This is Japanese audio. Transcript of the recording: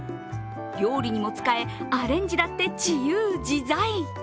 料理にも使え、アレンジだって自由自在。